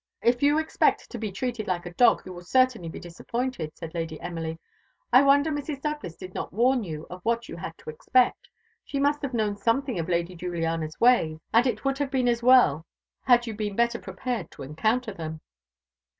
"If you expect to be treated like a dog, you will certainly be disappointed," said Lady Emily. "I wonder Mrs. Douglas did not warn you of what you had to expect. She must have known something of Lady Juliana's ways; and it would have been as well had you been better prepared to encounter them."